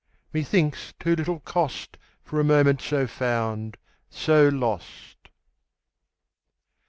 _20 5. ......... Methinks too little cost For a moment so found, so lost!